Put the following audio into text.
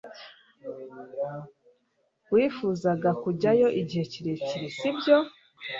wifuzaga kujyayo igihe kirekire, sibyo